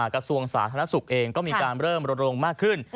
กระทรวงศาสตร์ธนสุขเองก็มีการเริ่มลงมากขึ้น